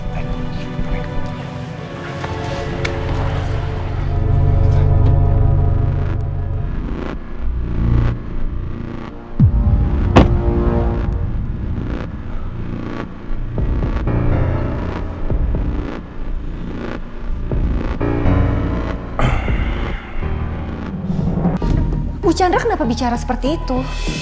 bu chandra kenapa bicara seperti itu